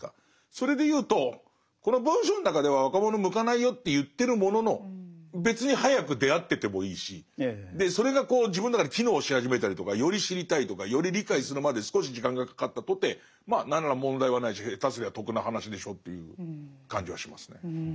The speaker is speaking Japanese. それで言うとこの文章の中では若者に向かないよって言ってるものの別に早く出会っててもいいしそれが自分の中で機能し始めたりとかより知りたいとかより理解するまで少し時間がかかったとてまあ何ら問題はないし下手すりゃ得な話でしょという感じはしますね。